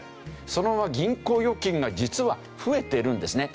そのまま銀行預金が実は増えてるんですね。